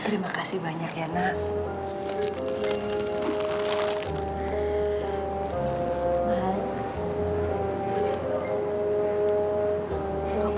terima kasih banyak ya nak